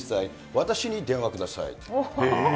私に電話ください。